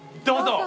どうぞ！